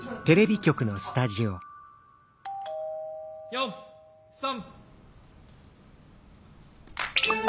４３。